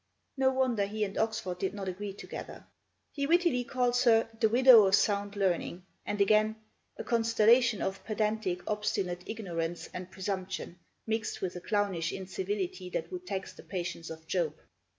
No wonder he and Oxford did not agree together. He wittily calls her "the widow of sound learning," and again, "a constellation of pedantic, obstinate ignorance and presumption, mixed with a clownish incivility that would tax the patience of Job."